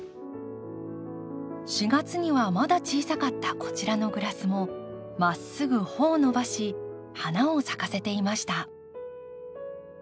４月にはまだ小さかったこちらのグラスもまっすぐ穂を伸ばし花を咲かせていました。